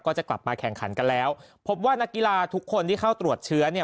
จะกลับมาแข่งขันกันแล้วพบว่านักกีฬาทุกคนที่เข้าตรวจเชื้อเนี่ย